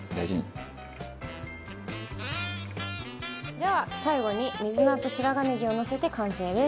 では最後に水菜と白髪ネギをのせて完成です。